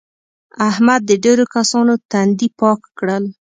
احمد د ډېرو کسانو تندي پاک کړل.